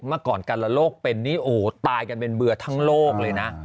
เมื่อก่อนการละโลกเป็นนี่โอ้ตายกันเป็นเบื่อทั้งโลกเลยนะ